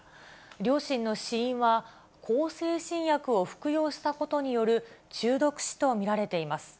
両親の死因は向精神薬を服用したことによる中毒死と見られています。